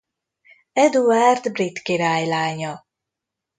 Eduárd brit király lánya.